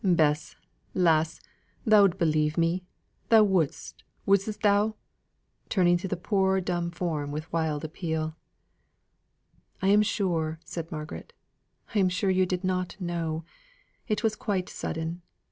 Bess, lass, thou'd believe me, thou wouldst wouldstn't thou?" turning to the poor dumb form with wild appeal. "I am sure," said Margaret, "I am sure you did not know; it was quite sudden.